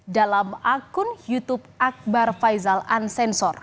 dalam akun youtube akbar faizal ansensor